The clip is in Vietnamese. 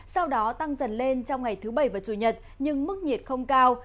sau đó tăng dần lên trong ngày thứ bảy và chủ nhật nhưng mức nhiệt không cao